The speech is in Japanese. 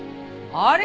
あれ？